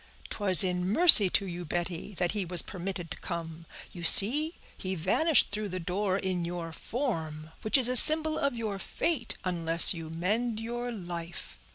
"'Twas in mercy to you, Betty, that he was permitted to come. You see he vanished through the door in your form, which is a symbol of your fate, unless you mend your life.